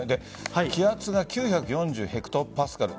気圧が９４０ヘクトパスカル。